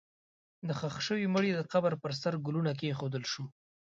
د ښخ شوي مړي د قبر پر سر ګلونه کېښودل شول.